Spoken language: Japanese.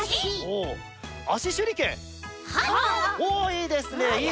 おいいですね。